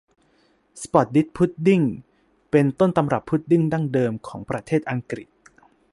สปอร์ตดิ๊ดพุดดิ้งเป็นต้นตำรับพุดดิ้งดั้งเดิมของประเทศอังกฤษ